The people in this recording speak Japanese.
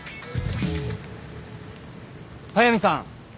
速見さん